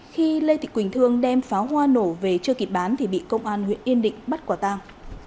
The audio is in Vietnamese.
khi lê thị quỳnh thương đem pháo hoa nổ về chưa kịp bán thì bị công an huyện yên định bắt quả tang